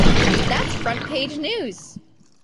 That's front-page news!